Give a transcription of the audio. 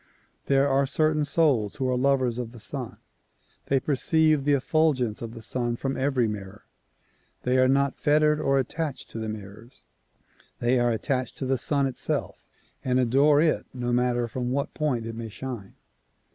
There are certain souls who are lovers of the Sun ; they perceive the eft'ulgence of the Sun from every mirror. They are not fettered or attached to the mir rors; they are attached to the Sun itself and adore it no matter from what point it may shine.